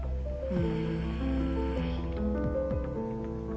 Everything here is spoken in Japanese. うん。